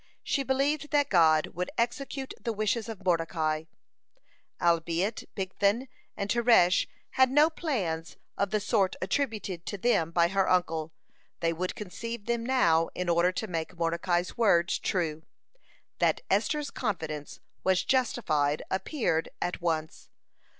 She believed that God would execute the wishes of Mordecai. Albeit Bigthan and Teresh had no plans of the sort attributed to them by her uncle, they would conceive then now in order to make Mordecai's words true. That Esther's confidence was justified appeared at once.